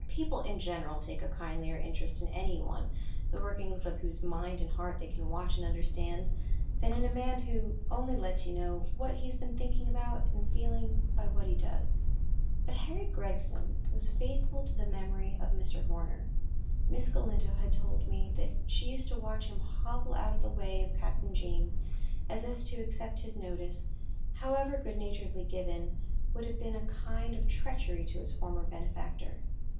People, in general, take a kindlier interest in any one, the workings of whose mind and heart they can watch and understand, than in a man who only lets you know what he has been thinking about and feeling, by what he does. But Harry Gregson was faithful to the memory of Mr. Horner. Miss Galindo has told me that she used to watch him hobble out of the way of Captain James, as if to accept his notice, however good naturedly given, would have been a kind of treachery to his former benefactor.